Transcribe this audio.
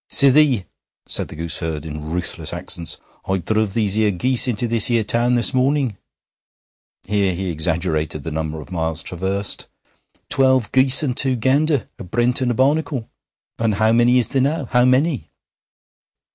'Sithee!' said the gooseherd in ruthless accents, 'I druv these 'ere geese into this 'ere town this morning.' (Here he exaggerated the number of miles traversed.) 'Twelve geese and two gander a Brent and a Barnacle. And how many is there now? How many?'